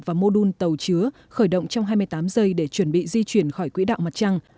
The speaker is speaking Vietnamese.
và mô đun tàu chứa khởi động trong hai mươi tám giây để chuẩn bị di chuyển khỏi quỹ đạo mặt trăng